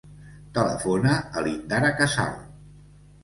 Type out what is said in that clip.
Telefona a l'Indara Casal.